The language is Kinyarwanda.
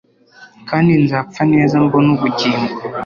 Kandi nzapfa neza mbone ubugingo